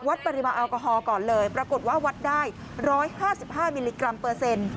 วัดปริมาณแอลกอฮอล์ก่อนเลยปรากฏว่าวัดได้๑๕๕มิลลิกรัมเปอร์เซ็นต์